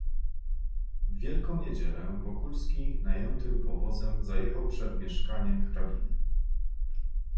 "W Wielką niedzielę, Wokulski, najętym powozem, zajechał przed mieszkanie hrabiny."